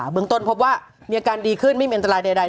เมืองต้นพบว่ามีอาการดีขึ้นไม่มีอันตรายใด